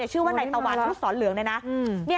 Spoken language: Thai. ชื่อว่านายตะวันครูสรรเหลือง